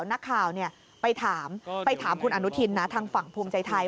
นักข่าวไปถามไปถามคุณอนุทินนะทางฝั่งภูมิใจไทย